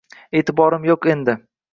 E’tiborim yo’q endi.